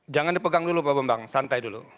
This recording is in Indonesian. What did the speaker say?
jangan dipegang dulu pak bambang santai dulu